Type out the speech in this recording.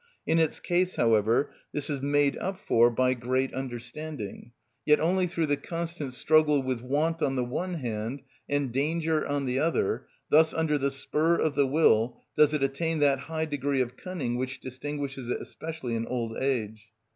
In its case, however, this is made up for by great understanding; yet only through the constant struggle with want on the one hand and danger on the other, thus under the spur of the will, does it attain that high degree of cunning which distinguishes it especially in old age.